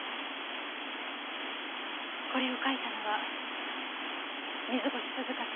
これを書いたのは水越涼香さん